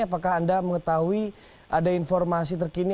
apakah anda mengetahui ada informasi terkini